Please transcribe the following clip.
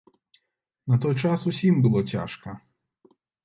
На той час усім было цяжка.